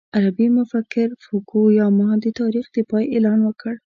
غربي مفکر فوکو یاما د تاریخ د پای اعلان وکړ.